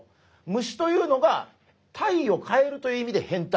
虫というのが態を変えるという意味で「変態」。